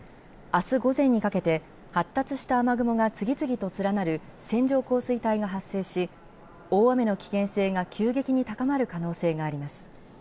あす午前にかけて、発達した雨雲が次々と連なる線状降水帯が発生し、大雨の危険性が急激に高まる可能性があります。